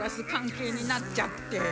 係になっちゃって。